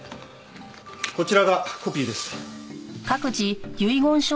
こちらがコピーです。